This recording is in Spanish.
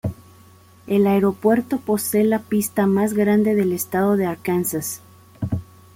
El aeropuerto posee la pista más grande del estado de Arkansas.